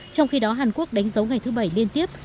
trong khi đó hàn quốc đánh dấu ngày thứ bảy liên tiếp